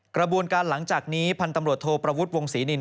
กระบวนการหลังจากนี้พันธุ์ตำรวจโทประวุฒิวงศรีนิน